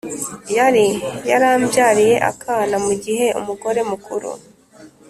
yari yarambyariye akana mu gihe umugore mukuru